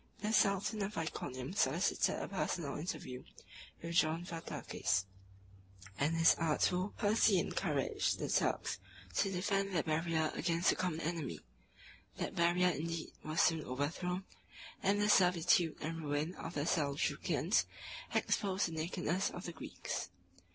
The sultan of Iconium solicited a personal interview with John Vataces; and his artful policy encouraged the Turks to defend their barrier against the common enemy. 36 That barrier indeed was soon overthrown; and the servitude and ruin of the Seljukians exposed the nakedness of the Greeks.